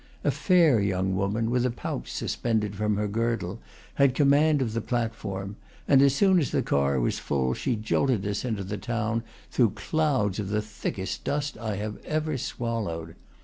A fair young woman, with a pouch sus pended from her girdle, had command of the platform; and as soon as the car was full she jolted us into the town through clouds of the thickest dust I ever have swallowed.